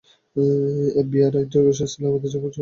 FBI এর interrogation সেলে আমাদের জম্পেশ আড্ডা হয়েছিল।